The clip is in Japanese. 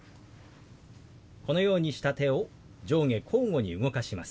このようにした手を上下交互に動かします。